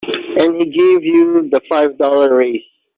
And he gave you that five dollar raise.